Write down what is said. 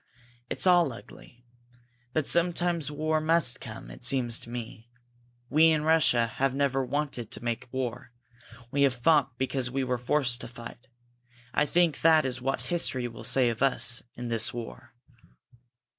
It's all ugly. But sometimes war must come, it seems to me. We in Russia have never wanted to make war. We have fought because we were forced to fight. I think that is what history will say of us in this war."